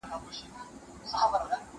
ما د سبا لپاره د ژبي تمرين کړی دی